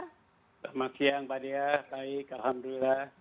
selamat siang pak dia baik alhamdulillah